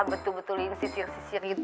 betul betul ini sisir sisirin